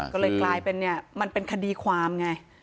ก็เลยกลายเป็นเนี่ยมันเป็นคดีความไง